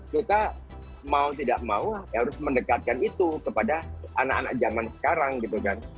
kita mau tidak mau harus mendekatkan itu kepada anak anak zaman sekarang gitu kan